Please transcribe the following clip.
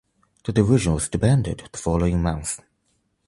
The division was disbanded the following month.